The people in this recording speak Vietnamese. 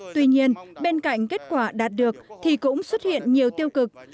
tuy nhiên bên cạnh kết quả đạt được thì cũng xuất hiện nhiều tiêu cực